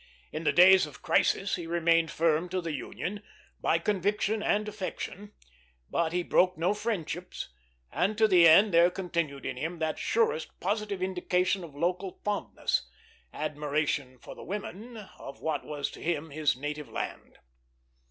In the days of crisis he remained firm to the Union, by conviction and affection; but he broke no friendships, and to the end there continued in him that surest positive indication of local fondness, admiration for the women of what was to him his native land.